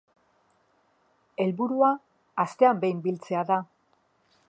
Helburua astean behin biltzea da.